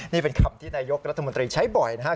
นี่เป็นคำที่นายกรัฐมนตรีใช้บ่อยนะครับ